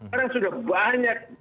kadang sudah banyak